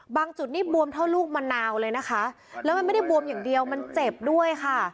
จุดนี้บวมเท่าลูกมะนาวเลยนะคะแล้วมันไม่ได้บวมอย่างเดียวมันเจ็บด้วยค่ะ